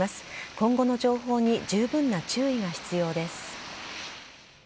今後の情報に十分な注意が必要です。